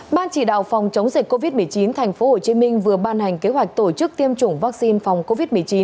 ban chỉ đạo phòng chống dịch covid một mươi chín tp hcm vừa ban hành kế hoạch tổ chức tiêm chủng vaccine phòng covid một mươi chín